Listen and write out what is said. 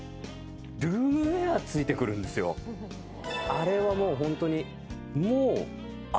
あれはもうホントに。